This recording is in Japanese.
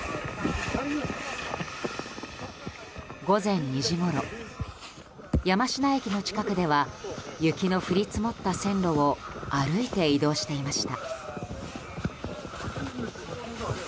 午前２時ごろ、山科駅の近くでは雪の降り積もった線路を歩いて移動していました。